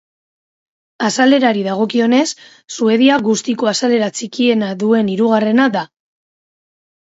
Azalerari dagokionez Suedia guztiko azalera txikiena duen hirugarrena da.